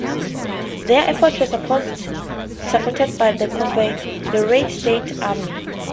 Their efforts were supported by the Confederate States Army.